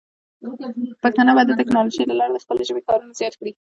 پښتانه به د ټیکنالوجۍ له لارې د خپلې ژبې کارونه زیات کړي.